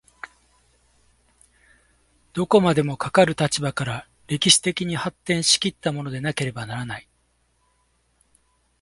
どこまでもかかる立場から歴史的に発展し来ったものでなければならない。